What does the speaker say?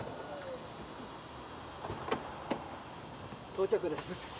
到着です。